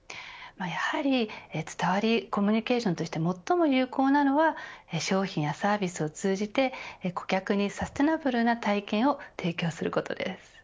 やはり伝わるコミュニケーションとして最も有効なのは商品やサービスを通じて顧客にサステナブルな体験を提供することです。